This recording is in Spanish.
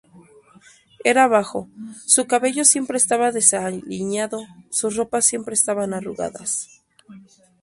Era bajo, su cabello siempre estaba desaliñado, sus ropas siempre estaban arrugadas.